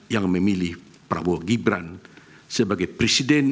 yang memilih prabowo gibran sebagai presiden